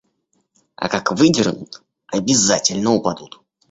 А как выдернут, обязательно упадут.